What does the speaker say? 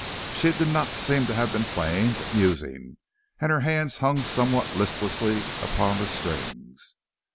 She did not seem to have been playing but musing, and her hands hung somewhat listlessly upon the strings.